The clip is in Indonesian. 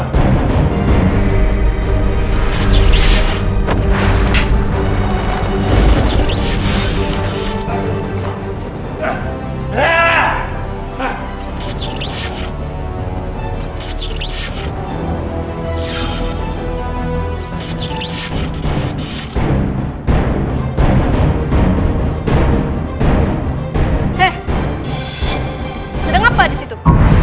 eh sedang apa di situ